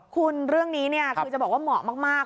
คุณเรื่องนี้คือจะบอกว่าเหมาะมาก